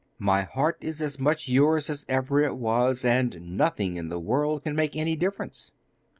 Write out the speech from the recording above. My heart is as much yours as ever it was, and nothing in the world can make any difference.